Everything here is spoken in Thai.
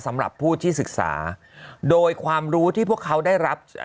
สำหรับผู้ที่ศึกษาโดยความรู้ที่พวกเขาได้รับ